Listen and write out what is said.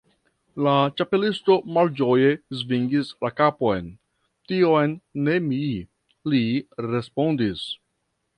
La Ĉapelisto malĝoje svingis la kapon. "Tion ne mi," li respondis.